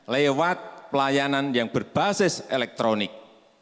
lewat pelayanan yang berbasis elektronik